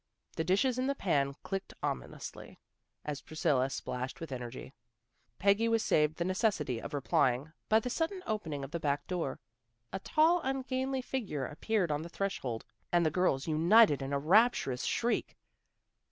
The dishes in the pan clicked ominously, as Priscilla splashed with energy. Peggy was saved the necessity of replying by the sudden opening of the back door. A tall, ungainly figure appeared on the threshold and the girls united in a rapturous shriek.